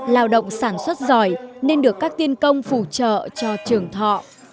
lao động sản xuất giỏi nên được các tiên công phụ trợ cho trưởng thọ